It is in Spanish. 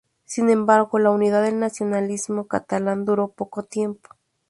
Sin embargo, la unidad del nacionalismo catalán duró poco tiempo.